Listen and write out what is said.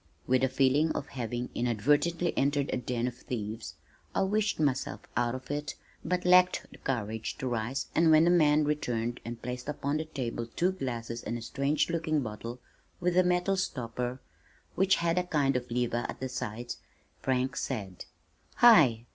With a feeling of having inadvertently entered a den of thieves, I wished myself out of it but lacked the courage to rise and when the man returned and placed upon the table two glasses and a strange looking bottle with a metal stopper which had a kind of lever at the side, Frank said, "Hi!